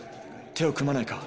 手を組まないか？